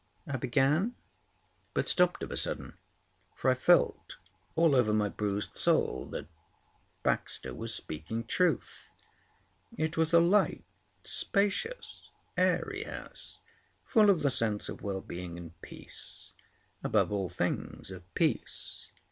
I began, but stopped of a sudden, for I felt all over my bruised soul that Baxter was speaking truth. It was a light, spacious, airy house, full of the sense of well being and peace—above all things, of peace.